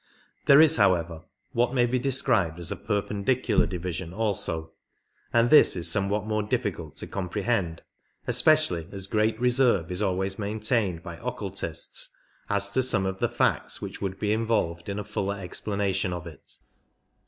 There is, however, what may be described as a perpen dicular division also, and this is somewhat more difficult to comprehend, especially as great reserve is always maintained by occultists as to some of the facts which would be in volved in a fuller explanation of it.